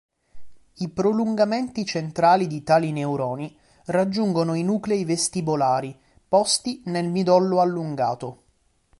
I prolungamenti centrali di tali neuroni raggiungono i nuclei vestibolari posti nel midollo allungato.